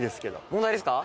問題ですか？